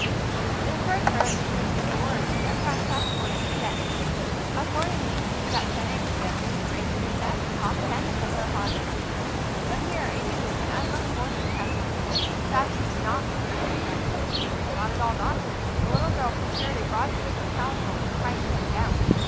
It occurred to her, in the midst of her worry, that perhaps Sassy wanted to set. Accordingly she got ten eggs together, arranged them in a nest, caught the hen, and put her upon them. But here a new and unlooked for thing happened. Sassy would not stay on the nest. Not at all daunted, the little girl procured a broad strip of calico and tied the hen down.